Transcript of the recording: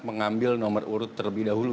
mengambil nomor urut terlebih dahulu